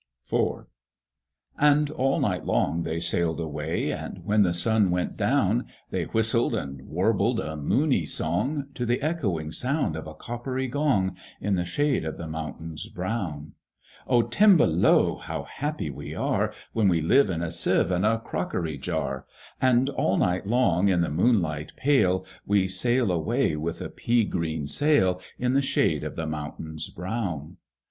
IV. And all night long they sailed away; And when the sun went down, They whistled and warbled a moony song To the echoing sound of a coppery gong, In the shade of the mountains brown. "O Timballo! How happy we are, When we live in a Sieve and a crockery jar, And all night long in the moonlight pale, We sail away with a pea green sail, In the shade of the mountains brown!"